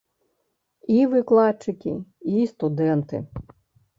І выкладчыкі, і студэнты.